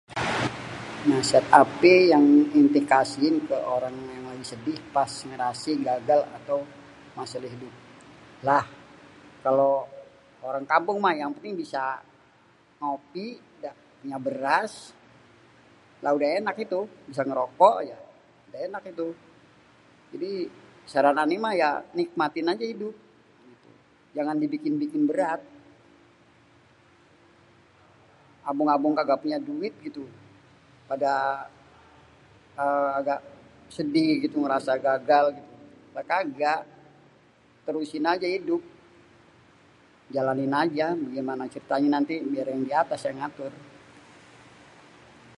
"""nasehat apè yang èntè kasihin ke orang yang lagi sedih pas ngerasè gagal atau masalah idup?"".. lhaa kalo orang kampung mah yang penting bisa ngopi punya beras lha udah ènak itu.. bisa ngerokok aja udah ènak itu.. jadi saran ane mah ya nikmatin aja idup.. gitu.. jangan dibikin-bikin berat.. abang-abang kagak punya duit gitu.. pada kagak ngerasa sedih gitu ngerasa gagal gitu.. mah kagak.. terusin aja idup.. jalanin aja.. gimana ceritanya nanti biar yang di atas yang ngatur.."